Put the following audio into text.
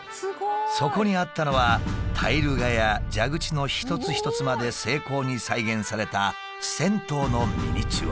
そこにあったのはタイル画や蛇口の一つ一つまで精巧に再現された銭湯のミニチュア。